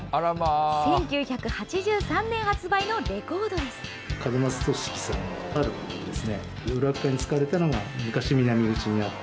１９８３年発売のレコードです。